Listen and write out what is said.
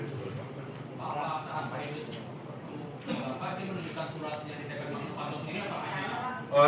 pada saat pak idris melaporkan penunjukan suratnya di dpr npb pak panto ini apa halnya